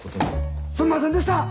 すんませんでした！